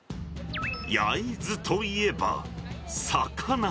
焼津といえば、魚。